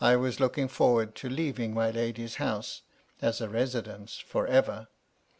331 was looking forward to leaving my lady's house (as a residence) for ever.